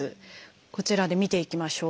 こちらで見ていきましょう。